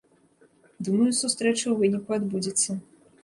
Думаю, сустрэча ў выніку адбудзецца.